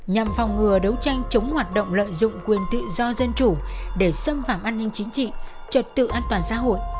nhằm phòng ngừa đấu tranh chống hoạt động lợi dụng quyền tự do dân chủ để xâm phạm an ninh chính trị trật tự an toàn xã hội